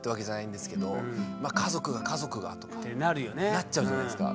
なっちゃうじゃないですか。